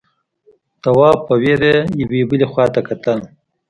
تواب په وېره يوې بلې خواته کتل…